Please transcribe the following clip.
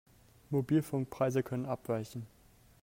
Mobilfunkpreise können abweichen.